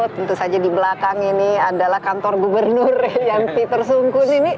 tentu saja di belakang ini adalah kantor gubernur jan piter sungkun